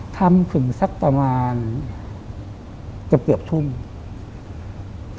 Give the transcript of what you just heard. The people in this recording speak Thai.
ทำถึงสักประมาณเกือบทุ่ม